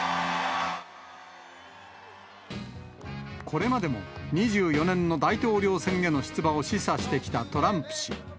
これまでも、２４年の大統領選への出馬を示唆してきたトランプ氏。